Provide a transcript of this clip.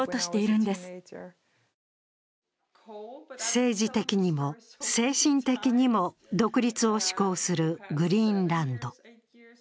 政治的にも精神的にも独立を志向するグリーンランド。